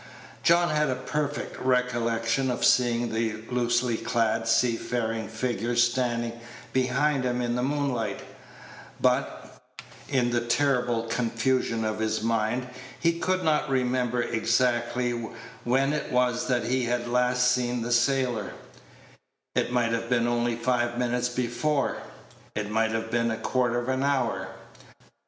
John had a perfect recollection of seeing the loosely clad seafaring figure standing behind him in the moonlight; but, in the terrible confusion of his mind, he could not remember exactly when it was that he had last seen the sailor: it might have been only five minutes before it might have been a quarter of an hour.